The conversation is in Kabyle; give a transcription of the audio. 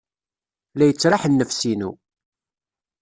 La yettraḥ nnefs-inu.